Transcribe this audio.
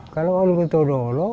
kalau aluk todolo